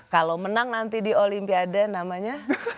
kalau menang nanti di olimpiade namanya